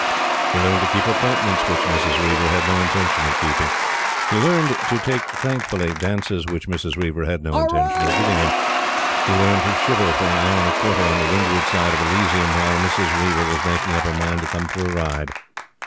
He learned to keep appointments which Mrs. Reiver had no intention of keeping. He learned to take thankfully dances which Mrs. Reiver had no intention of giving him. He learned to shiver for an hour and a quarter on the windward side of Elysium while Mrs. Reiver was making up her mind to come for a ride.